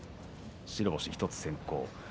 白星１つ先行